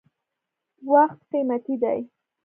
• وخت قیمتي دی.